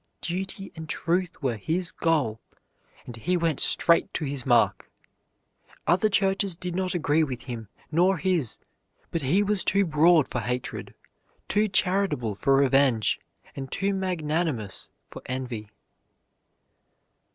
Duty and truth were his goal, and he went straight to his mark. Other churches did not agree with him nor his, but he was too broad for hatred, too charitable for revenge, and too magnanimous for envy.